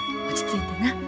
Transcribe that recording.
落ち着いてな。